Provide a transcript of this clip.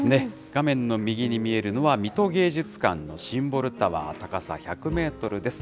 画面の右に見えるのは、みと芸術館のシンボルタワー、高さ１００メートルです。